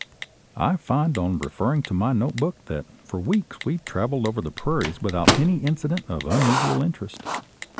I find on referring to my note book that for weeks we travelled over the prairies without any incident of unusual interest.